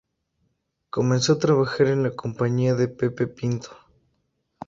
Comenzó a trabajar en la compañía de Pepe Pinto.